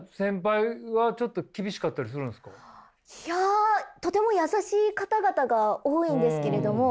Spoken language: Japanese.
いやとても優しい方々が多いんですけれども。